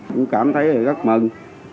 cũng cảm thấy rất mừng